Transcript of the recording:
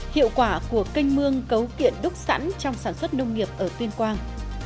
hiệu quả của canh mương cấu kiện đúc sẵn trong sản xuất nông nghiệp ở tuyên quang